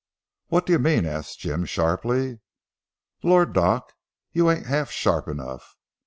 "What do you mean?" asked Jim sharply. "Lord! Doc, you ain't half sharp enough.